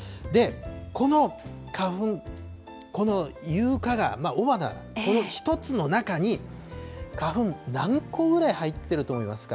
この花粉、この雄花芽、雄花、これ１つの中に花粉何個ぐらい入っていると思いますか。